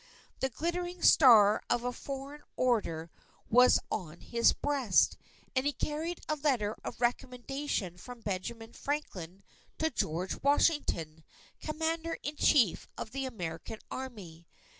The glittering star of a foreign Order was on his breast, and he carried a letter of recommendation from Benjamin Franklin to George Washington, Commander in Chief of the American Army.